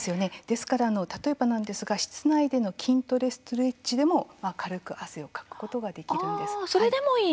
ですから例えばなんですが室内での筋トレ、ストレッチでも軽く汗をかくことができるんです。